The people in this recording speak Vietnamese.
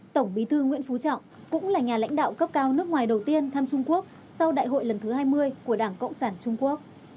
tổng bí thư nguyễn phú trọng cũng là nhà lãnh đạo cấp cao nước ngoài đầu tiên thăm trung quốc sau đại hội lần thứ hai mươi của đảng cộng sản trung quốc